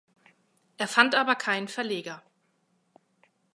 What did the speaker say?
Er fand aber keinen Verleger.